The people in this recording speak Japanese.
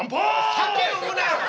酒飲むなよ！